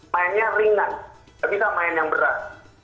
mainnya ringan nggak bisa main yang berat